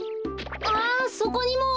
あそこにも！